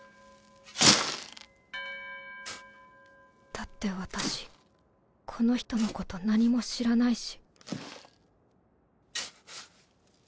だって私この人のこと何も知らないし。